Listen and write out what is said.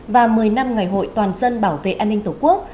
và một mươi năm ngày hội toàn dân bảo vệ an ninh tổ quốc